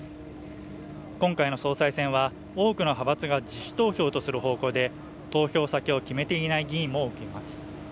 今回の総裁選は多くの派閥が自主投票とする方向で投票先を決めていない議員も多くいます